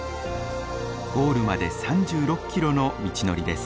ゴールまで３６キロの道のりです。